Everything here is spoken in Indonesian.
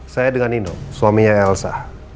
saya dengan nino suaminya elsa